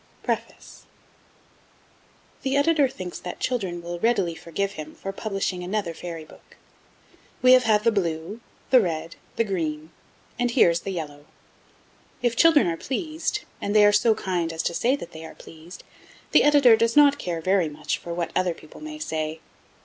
PREFACE The Editor thinks that children will readily forgive him for publishing another Fairy Book. We have had the Blue, the Red, the Green, and here is the Yellow. If children are pleased, and they are so kind as to say that they are pleased, the Editor does not care very much for what other people may say.